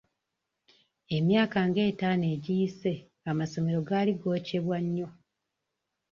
Emyaka nga etaano egiyise amasomero gaali gookyebwa nnyo.